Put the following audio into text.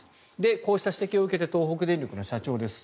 こうした指摘を受けて東北電力の社長です。